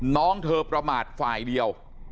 น้องเธอประมาทฝ่ายเดียว